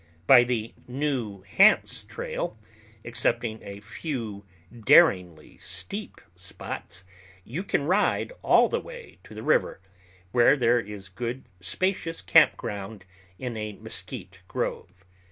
By the new Hance Trail, excepting a few daringly steep spots, you can ride all the way to the river, where there is a good spacious camp ground in a mesquite grove.